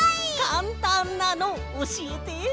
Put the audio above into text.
かんたんなのおしえて！